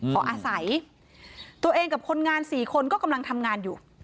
ขออาศัยตัวเองกับคนงานสี่คนก็กำลังทำงานอยู่